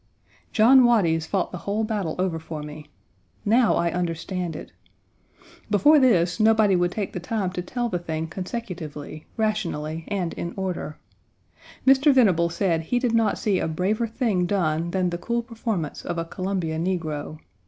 John Waties fought the whole battle over for me. Now I understand it. Before this nobody would take the time to tell the thing consecutively, rationally, and in order. Mr. Venable said he did not see a braver thing done than the cool performance of a Columbia negro.